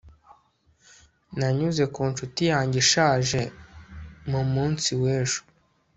nanyuze ku ncuti yanjye ishaje mu munsi w'ejo